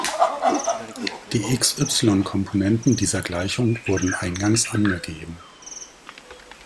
Die x-y-Komponenten dieser Gleichung wurden eingangs angegeben.